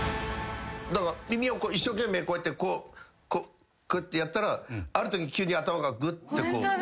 耳を一生懸命こうやってこうこうやってやったらあるとき急に頭がぐってこう。